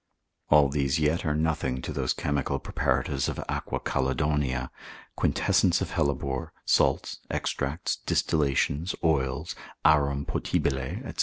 All these yet are nothing to those chemical preparatives of Aqua Chalidonia, quintessence of hellebore, salts, extracts, distillations, oils, Aurum potabile, &c.